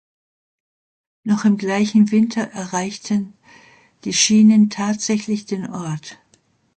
Noch im gleichen Winter erreichten die Schienen tatsächlich den Ort.